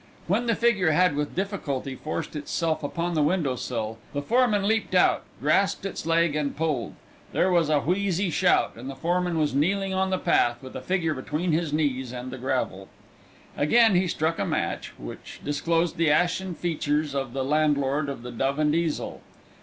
When the figure had with difficulty forced itself upon the window sill, the foreman leapt out, grasped its leg, and pulled. There was a wheezy shout, and the foreman was kneeling on the path, with a figure between his knees and the gravel. Again he struck a match, which disclosed the ashen features of the landlord of the Dove and Easel.